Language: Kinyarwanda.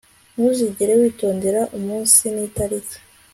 ntuzigere witondera umunsi n'itariki